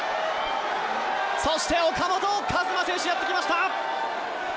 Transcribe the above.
そして岡本和真選手がやってきました。